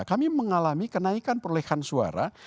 kami mengalami kenaikan perolehan suara